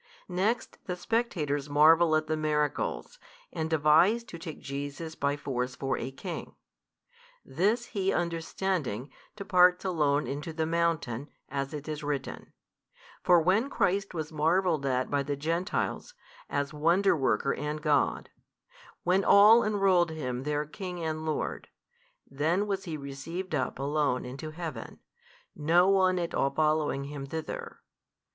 Next the spectators marvel at the miracles, and devise to take Jesus by force for a king. This He understanding, departs alone into the mountain, as it is written; for when Christ was marvelled at by the Gentiles, as Wonder worker and God, when all enrolled 12 Him their King and Lord, then was He received up Alone into Heaven, no one at all following Him thither.